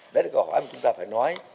đấy là câu hỏi mà chúng ta phải nói